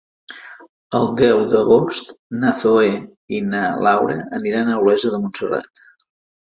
El deu d'agost na Zoè i na Laura aniran a Olesa de Montserrat.